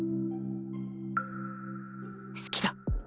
好きだ。